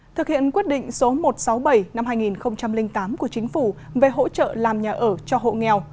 thực hiện quyết định số một trăm sáu mươi bảy năm hai nghìn tám của chính phủ về hỗ trợ làm nhà ở cho hộ nghèo